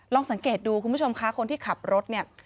ลองสังเกตดูคุณผู้ชมคะคนที่ขับรถเนี่ย